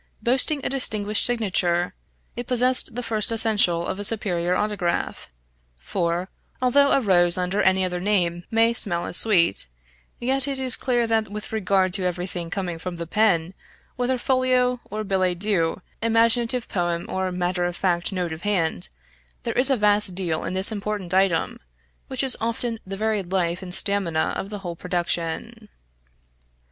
Boasting a distinguished signature, it possessed the first essential of a superior autograph; for, although a rose under any other name may smell as sweet, yet it is clear that with regard to every thing coming from the pen, whether folio or billet doux, imaginative poem, or matter of fact note of hand, there is a vast deal in this important item, which is often the very life and stamina of the whole production.